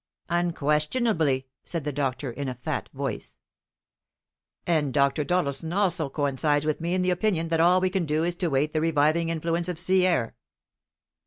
"Unquestionably," said the doctor in a fat voice. "And Dr. Doddleson also coincides with me in the opinion that all we can do is to wait the reviving influence of sea air."